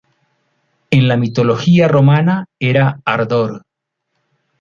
En la mitología romana era Ardor.